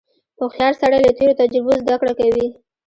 • هوښیار سړی له تېرو تجربو زدهکړه کوي.